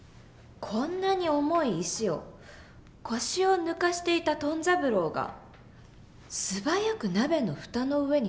こんなに重い石を腰を抜かしていたトン三郎が素早く鍋の蓋の上に載せる。